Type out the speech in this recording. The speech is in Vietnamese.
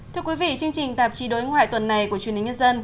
thưa quý vị chương trình tạp chí đối ngoại tuần này của chuyên đình nhân dân